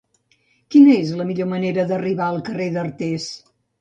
Quina és la millor manera d'arribar al carrer d'Artés?